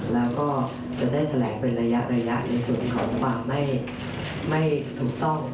แล้วก็จะได้แถลงเป็นระยะในส่วนของความไม่ถูกต้อง